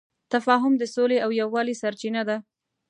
تفاهم د سولې او یووالي سرچینه ده.